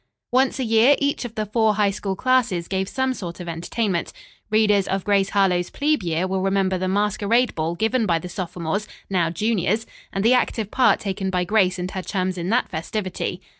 Once a year each of the four High School classes gave some sort of entertainment. Readers of "GRACE HARLOWE'S PLEBE YEAR" will remember the masquerade ball given by the sophomores, now juniors, and the active part taken by Grace and her chums in that festivity.